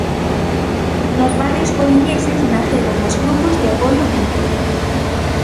Nos barrios coruñeses naceron os grupos de apoio mutuo.